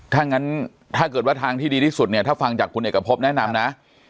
ถ้างั้นถ้าเกิดว่าทางที่ดีที่สุดเนี่ยถ้าฟังจากคุณเอกพบแนะนำนะ